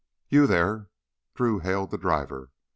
"You there," Drew hailed the driver.